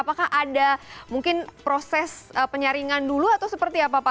dan apakah ada mungkin proses penyaringan dulu atau seperti apa pak